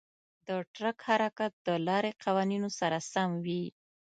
د ټرک حرکت د لارې قوانینو سره سم وي.